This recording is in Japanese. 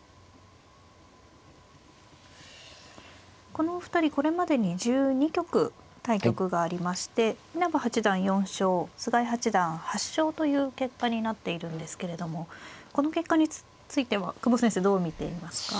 このお二人これまでに１２局対局がありまして稲葉八段４勝菅井八段８勝という結果になっているんですけれどもこの結果については久保先生どう見ていますか。